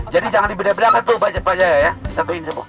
jadi jangan dibedah bedahkan pak jaya ya